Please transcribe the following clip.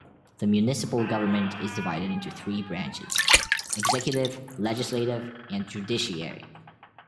The municipal government is divided into three branches: executive, legislative and judiciary.